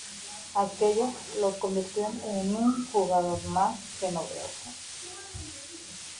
Aquello lo convirtió en un jugador más que novedoso.